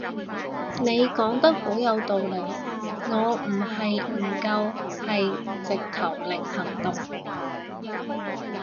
你講得好有道理，我唔係唔夠係直頭零行動